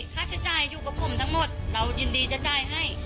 ค่าใช้จ่ายอยู่กับผมทั้งหมดเรายินดีจะจ่ายให้